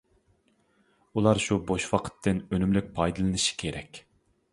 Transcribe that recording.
ئۇلار شۇ بوش ۋاقىتتىن ئۈنۈملۈك پايدىلىنىشى كېرەك.